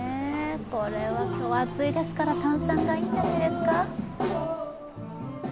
これは今日暑いですから炭酸がいいんじゃないですか。